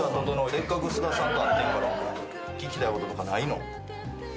せっかく菅田さんと会ってんから聞きたいこととかないの？